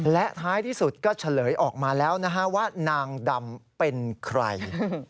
และท้ายที่สุดก็เฉลยออกมาแล้วนะฮะว่านางดำเป็นใคร